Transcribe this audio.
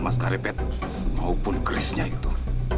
mas karebet maupun krisnya itu